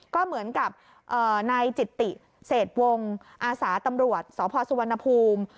ก็เหมือนกับนายจิตติเศษวงอาสาตำรวจสพสุวรรณภูมิ